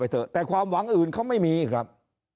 เถอะแต่ความหวังอื่นเขาไม่มีครับ